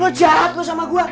loh jahat lu sama gua